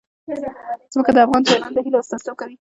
ځمکه د افغان ځوانانو د هیلو استازیتوب کوي.